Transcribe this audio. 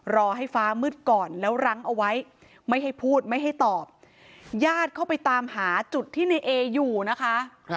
รอให้ฟ้ามืดก่อนแล้วรั้งเอาไว้ไม่ให้พูดไม่ให้ตอบญาติเข้าไปตามหาจุดที่ในเออยู่นะคะ